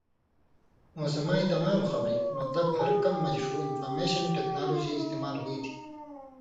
موسمئیں تمام خبری، مطلب ہر کم مژ ݜُو انفارمېشن ٹېکنالوجی استعمال ہُوئ تھی۔